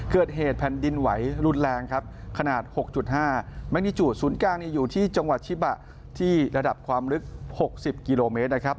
เกิดเหตุแผ่นดินไหวรุนแรงครับขนาด๖๕มินิจูศูนย์กลางอยู่ที่จังหวัดชิบะที่ระดับความลึก๖๐กิโลเมตรนะครับ